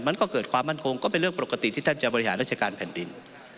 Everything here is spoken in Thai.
มันก็เกิดความมั่นคงก็เป็นเรื่องปกติที่ท่านจะบริหารราชการแผ่นดิน